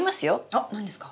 あっ何ですか？